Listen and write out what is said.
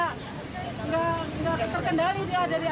enggak terkendali dia dari atas